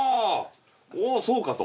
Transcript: おぉそうかと。